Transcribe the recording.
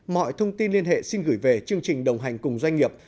mọi thông tin liên hệ xin gửi về chương trình đồng hành cùng doanh nghiệp